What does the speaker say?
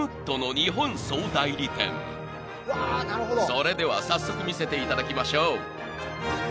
［それでは早速見せていただきましょう］